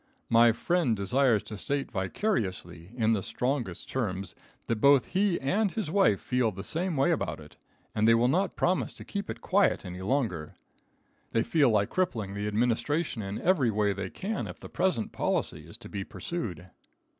My friend desires to state vicariously, in the strongest terms, that both he and his wife feel the same way about it, and they will not promise to keep it quiet any longer. They feel like crippling the administration in every way they can if the present policy is to be pursued.